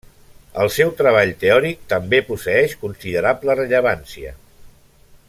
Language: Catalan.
El seu treball teòric també posseeix considerable rellevància.